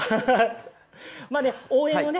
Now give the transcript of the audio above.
応援をね